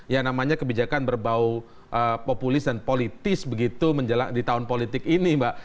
yang namanya kebijakan berbau populis dan politis begitu di tahun politik ini mbak